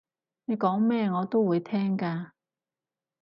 你講咩我都會聽㗎